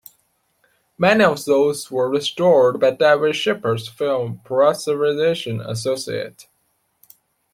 Many of those were restored by David Shepard's Film Preservation Associates.